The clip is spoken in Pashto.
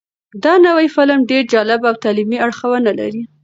دا نوی فلم ډېر جالب او تعلیمي اړخونه لري.